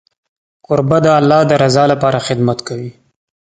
کوربه د الله د رضا لپاره خدمت کوي.